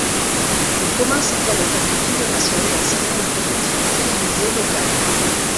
Il commence à faire quelques figurations dans certaines productions télévisées locales.